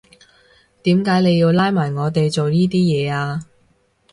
點解你要拉埋我哋做依啲嘢呀？